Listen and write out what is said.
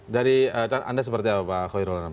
jadi anda seperti apa pak khairul anam